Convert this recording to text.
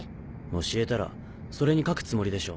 教えたらそれに書くつもりでしょ。